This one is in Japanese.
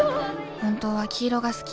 本当は黄色が好き。